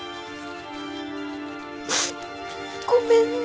ごめんね！